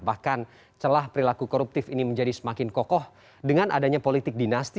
bahkan celah perilaku koruptif ini menjadi semakin kokoh dengan adanya politik dinasti